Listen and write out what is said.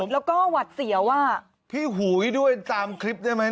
แล้วก็หวัดเสียว่าพี่หุยด้วยตามคลิปได้ไหม